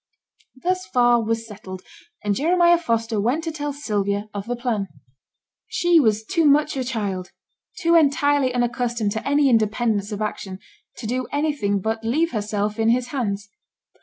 Thus far was settled; and Jeremiah Foster went to tell Sylvia of the plan. She was too much a child, too entirely unaccustomed to any independence of action, to do anything but leave herself in his hands.